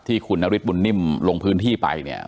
ที่คุณนฤทธบุญนิ่มลงพื้นที่ไปเนี่ย